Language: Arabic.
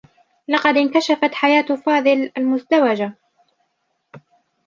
لقد انكشفت حياة فاضل المزدوجة.